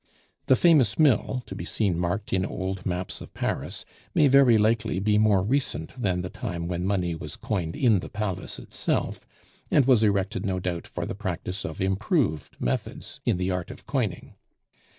The famous mill, to be seen marked in old maps of Paris, may very likely be more recent than the time when money was coined in the Palace itself, and was erected, no doubt, for the practice of improved methods in the art of coining.